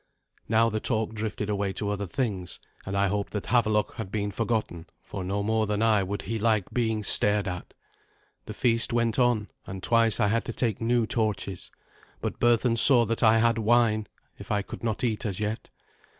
Now the talk drifted away to other things, and I hoped that Havelok had been forgotten, for no more than I would he like being stared at. The feast went on, and twice I had to take new torches, but Berthun saw that I had wine, if I could not eat as yet.